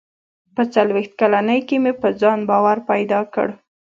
• په څلوېښت کلنۍ کې مې په ځان باور پیدا کړ.